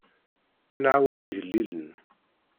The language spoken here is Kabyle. Ad nɛawen igellilen.